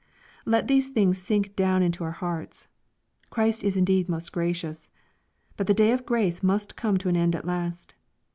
Let these things sink down into our hearts. Christ is indeed most gracious. But the day of grace must come to an end at last.